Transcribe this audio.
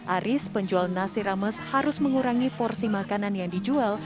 aris penjual nasi rames harus mengurangi porsi makanan yang dijual